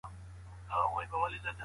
په کور کي د درس پر مهال ډار نه احساسېږي.